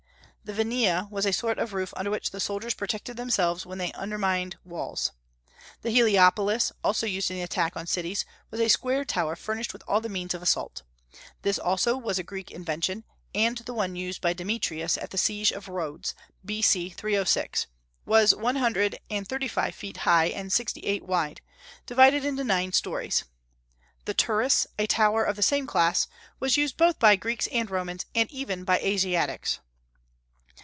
The vinea was a sort of roof under which the soldiers protected themselves when they undermined walls. The helepolis, also used in the attack on cities, was a square tower furnished with all the means of assault. This also was a Greek invention; and the one used by Demetrius at the siege of Rhodes, B. C. 306, was one hundred and thirty five feet high and sixty eight wide, divided into nine stories. The turris, a tower of the same class, was used both by Greeks and Romans, and even by Asiatics.